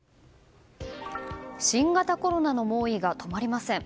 新型コロナの猛威が止まりません。